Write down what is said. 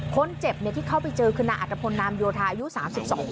คนเจ็บที่เข้าไปเจอคือนายอัตภพลนามโยธาอายุ๓๒ปี